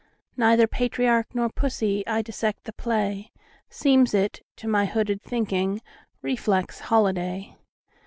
Neither patriarch nor pussy,I dissect the play; Seems it, to my hooded thinking, Reflex holiday.